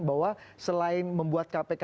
bahwa selain membuat kpk